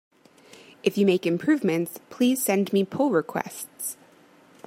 If you make improvements, please send me pull requests!